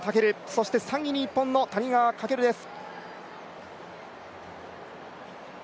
そして、３位に日本の谷川翔です。